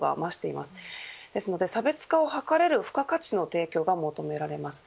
ですので、差別化を図れる付加価値の提供が求められます。